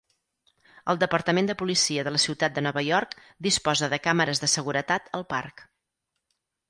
El Departament de Policia de la ciutat de Nova York disposa de càmeres de seguretat al parc.